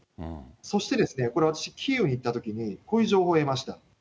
そして、これ、私、キーウに行ったときにこういう情報を得ました。